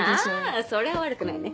あそれは悪くないね。